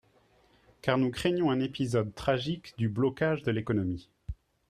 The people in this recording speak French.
Car nous craignons un épisode tragique du blocage de l’économie.